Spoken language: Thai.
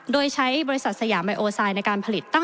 โดยใช้บริษัทสยามไอโอไซด์ในการผลิต